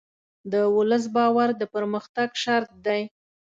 د ولس باور د پرمختګ شرط دی.